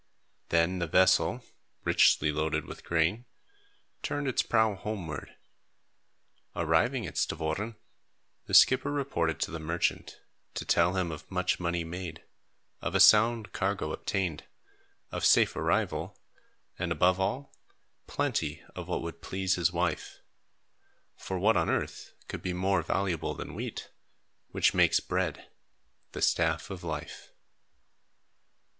Then the vessel, richly loaded with grain, turned its prow homeward. Arriving at Stavoren, the skipper reported to the merchant, to tell him of much money made, of a sound cargo obtained, of safe arrival, and, above all, plenty of what would please his wife; for what on earth could be more valuable than wheat, which makes bread, the staff of life?